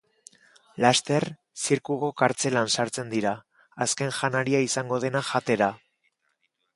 Laster, zirkuko kartzelan sartzen dira, azken janaria izango dena jatera.